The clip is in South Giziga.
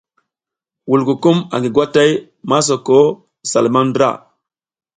Wulkukum angi gwatay masoko sa lumam ndra.